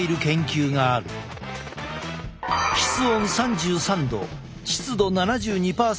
室温３３℃湿度７２％。